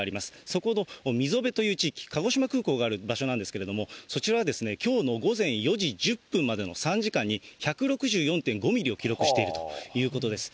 そこの溝辺という地域、鹿児島空港がある場所なんですけれども、そちらは、きょうの午前４時１０分までの３時間に、１６４．５ミリを記録しているということです。